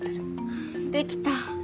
できた。